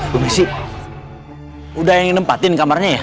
bu messi udah yang nge nempatin kamarnya ya